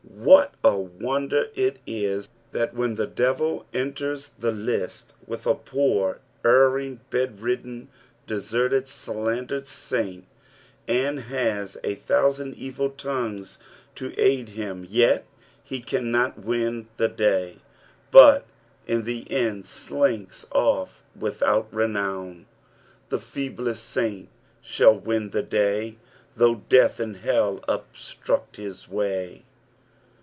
What a wonder it i» that when the devil enters the Iistfl with a pour, erring, bedridden, dcsfirted, slandered saint, and has a thousand evil tongues to aid liim, yet he cannot win tEie day, but iu the end slinks oS without renown, "Thnfeeblislmlnt shall win tho dny Tliou^fh donlli mid hdl ubstruct life waj."